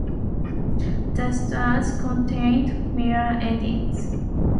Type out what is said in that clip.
The stories contained minor edits.